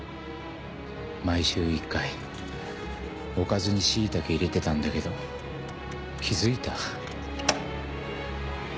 「毎週１回おかずにシイタケ入れてたんだけど気付いた？」。